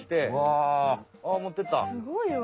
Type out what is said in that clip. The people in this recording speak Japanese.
すごいわ。